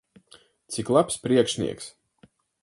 Cik labs priekšnieks!